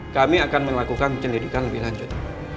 kami akan melakukan penyelidikan lebih lanjut